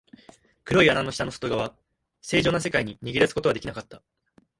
黒い穴の下の外側、正常な世界に逃げ出すことはできなかった。